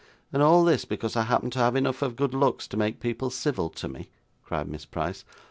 'And all this because I happen to have enough of good looks to make people civil to me,' cried Miss Price.